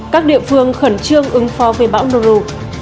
các địa phương khẩn trương ứng pho về bão noru